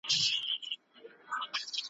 ستا تر مالته ستا تر ښاره درځم `